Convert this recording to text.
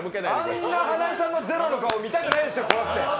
あんな花井さんのゼロの顔、見たくないでしょ、怖くて。